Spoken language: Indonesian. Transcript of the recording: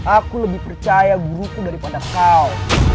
aku lebih percaya guruku daripada kau